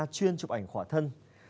chụp ảnh khỏa thân